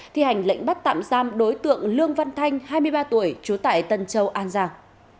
thi hành lệnh bắt tạm giam đối tượng lương văn thanh hai mươi ba tuổi trú tại tân châu an giang